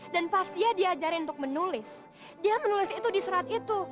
dan pas dia diajarin untuk menulis dia menulis itu di surat itu